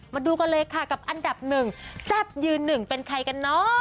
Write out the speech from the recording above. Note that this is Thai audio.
มาดูกันเลยค่ะกับอันดับหนึ่งแซ่บยืนหนึ่งเป็นใครกันเนอะ